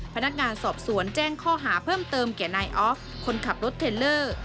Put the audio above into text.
พนักงานสอบสวนแจ้งข้อหาเพิ่มเติมแก่นายออฟคนขับรถเทลเลอร์